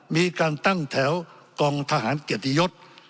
มีการตั้งแถวกองทหารเกียรติยศ